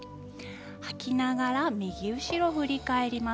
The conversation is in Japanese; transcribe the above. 吐きながら右後ろを振り返ります。